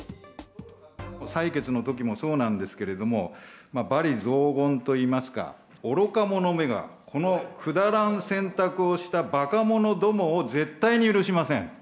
採決のときもそうなんですけれども、罵詈雑言といいますか、愚か者めが、このくだらん選択をしたばか者どもを絶対に許しません。